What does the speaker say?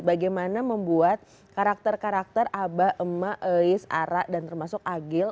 bagaimana membuat karakter karakter aba emma elis ara dan termasuk agil